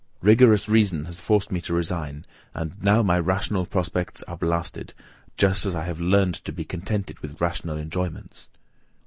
Rigorous reason has forced me to resign; and now my rational prospects are blasted, just as I have learned to be contented with rational enjoyments."